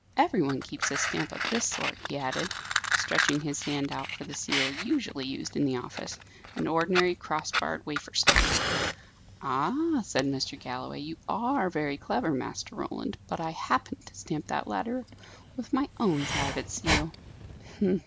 Every one keeps a stamp of this sort," he added, stretching his hand out for the seal usually used in the office an ordinary cross barred wafer stamp. "Ah," said Mr. Galloway, "you are very clever, Master Roland. But I happened to stamp that letter with my own private seal."